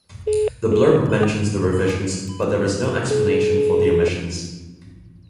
The blurb mentions the revisions, but there is no explanation for the omissions.